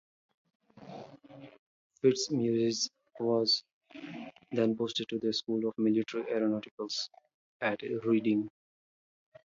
Fitzmaurice was then posted to the School of Military Aeronautics at Reading.